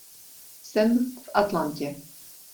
Jsem v Atlantě.